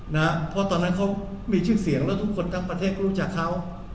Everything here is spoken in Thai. นะเพราะตอนนั้นเขามีชื่อเสียงแล้วทุกคนทั้งประเทศก็รู้จักเขา